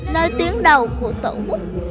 nơi tuyến đầu của tổ quốc